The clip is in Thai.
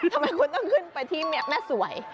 ทำไมคุณต้องขึ้นไปที่แม่สวย